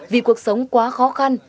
vì cuộc sống quá khó khăn